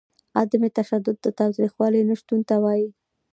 عدم تشدد د تاوتریخوالي نشتون ته وايي.